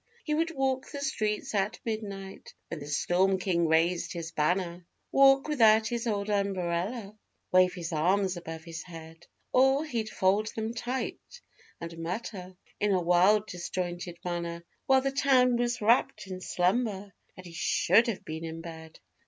He would walk the streets at midnight, when the storm king raised his banner, Walk without his old umbrella, wave his arms above his head: Or he'd fold them tight, and mutter, in a wild, disjointed manner, While the town was wrapped in slumber and he should have been in bed.